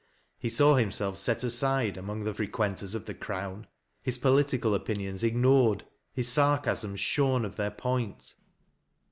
He saw himeelf set aside among the frequenters of the Crown, hiu politi cal opinions ignored, his sarcasms shorn of their point.